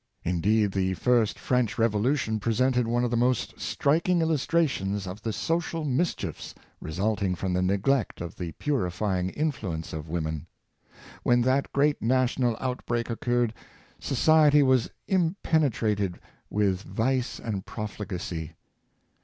Indeed, the first French Re volution presented one of the most striking illustrations of the social mischiefs resulting from a neglect of the purifying influence of women. When that great na tional outbreak occurred, society was impenetrated with vice and profligacy.